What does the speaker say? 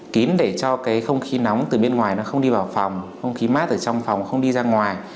kín để cho cái không khí nóng từ bên ngoài nó không đi vào phòng không khí mát ở trong phòng không đi ra ngoài